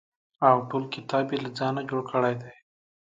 او ټول کتاب یې له ځانه جوړ کړی دی.